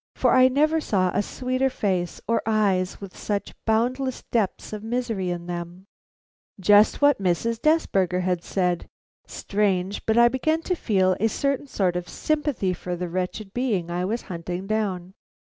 For I never saw a sweeter face, or eyes with such boundless depths of misery in them." Just what Mrs. Desberger had said! Strange, but I began to feel a certain sort of sympathy for the wretched being I was hunting down.